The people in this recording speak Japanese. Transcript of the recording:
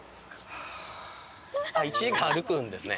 １時間歩くんですね。